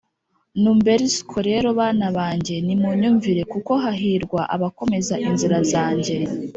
“numbersko rero bana banjye nimunyumvire, kuko hahirwa abakomeza inzira zanjye